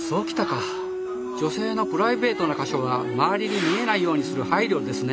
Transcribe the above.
女性のプライベートな箇所が周りに見えないようにする配慮ですね。